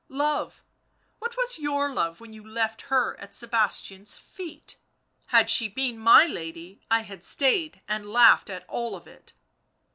... Love ! what was your love when you left her at Sebastian's feet i — had she been my lady I had stayed and laughed at all of it.